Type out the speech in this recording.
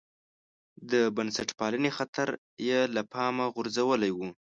د بنسټپالنې خطر یې له پامه غورځولی و.